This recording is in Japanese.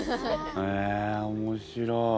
へえ面白い。